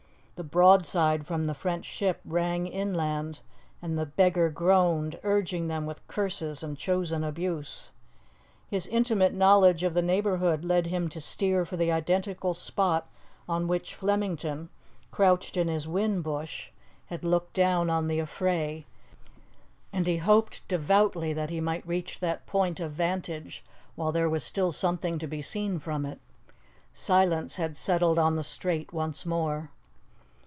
The broadside from the French ship rang inland, and the beggar groaned, urging them with curses and chosen abuse. His intimate knowledge of the neighbourhood led him to steer for the identical spot on which Flemington, crouched in his whin bush, had looked down on the affray, and he hoped devoutly that he might reach that point of vantage while there was still something to be seen from it. Silence had settled on the strait once more.